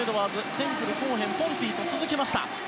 テンプル、コーヘン、ポンティと続きました。